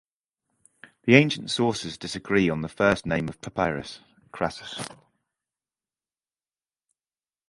The ancient sources disagree on the first name of Papirius Crassus.